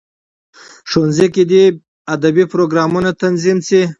ښوونځیو کې دي ادبي پروګرامونه تنظیم سي.